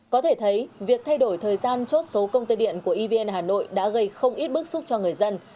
có thể thấy việc thay đổi thời gian chốt số công tơ điện của evn hà nội đã gây không ít bức xúc cho người dân